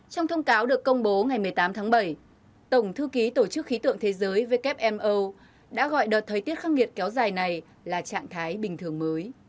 trong thông cáo được công bố ngày một mươi tám tháng bảy tổng thư ký tổ chức khí tượng thế giới wmo đã gọi đợt thời tiết khắc nghiệt kéo dài này là trạng thái bình thường mới